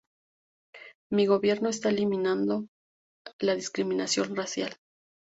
Mi gobierno está eliminando la discriminación racial.